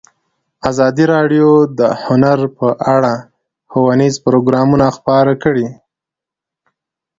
ازادي راډیو د هنر په اړه ښوونیز پروګرامونه خپاره کړي.